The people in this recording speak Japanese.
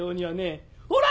ほら！